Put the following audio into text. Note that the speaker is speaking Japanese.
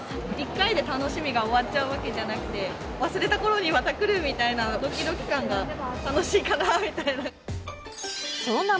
１回で楽しみが終わっちゃうわけじゃなくて、忘れたころにまた来るみたいな、どきどき感が楽しいかなみたいな。